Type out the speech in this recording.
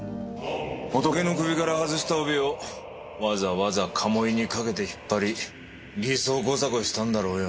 ホトケの首から外した帯をわざわざ鴨居に掛けて引っ張り偽装工作をしたんだろうよ。